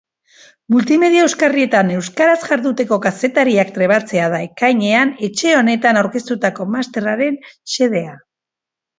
Multimedia euskarrietan euskaraz jarduteko kazetariak trebatzea da ekainean etxe honetan aurkeztutako masterraren xedea.